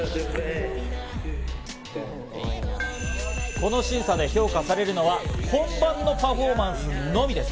この審査で評価されるのは本番のパフォーマンスのみです。